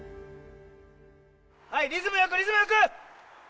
はいリズム良くリズム良く！